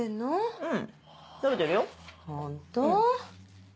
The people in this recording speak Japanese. うん。